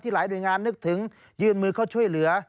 ที่หลายโดยงานนึกถึงยื่นมือเขาช่วยเหลือ